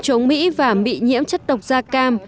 chiến chống mỹ và bị nhiễm chất độc gia cam